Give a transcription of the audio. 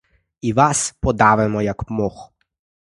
І вас подавимо, як мух: